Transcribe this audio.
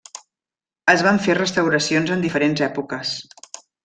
Es van fer restauracions en diferents èpoques.